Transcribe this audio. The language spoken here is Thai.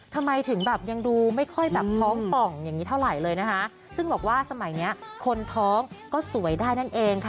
ทำไมถึงแบบยังดูไม่ค่อยแบบท้องป่องอย่างนี้เท่าไหร่เลยนะคะซึ่งบอกว่าสมัยเนี้ยคนท้องก็สวยได้นั่นเองค่ะ